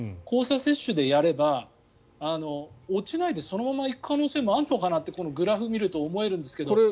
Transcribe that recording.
交差接種でやれば落ちないでそのまま行く可能性もあるのかなとこのグラフを見ると思えるんですけど。